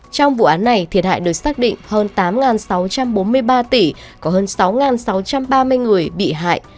trong vụ án này thiệt hại được xác định hơn tám sáu trăm bốn mươi ba tỷ có hơn sáu sáu trăm ba mươi người bị hại